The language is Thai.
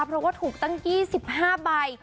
เพราะว่าถูกตั้ง๒๕ใบ